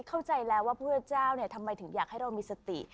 เข้าใจแล้วว่าพุทธเจ้าทำไมถึงอยากให้เรามีสติ